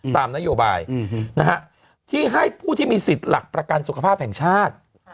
ตามนโยบายที่ให้ผู้ที่มีสิทธิ์หลักประกันสุขภาพแห่งชาติ